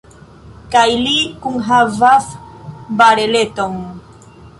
Kaj li kunhavas bareleton.